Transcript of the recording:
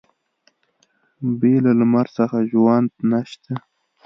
بې له لمر څخه ژوند نشته.